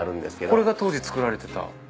これが当時作られてた？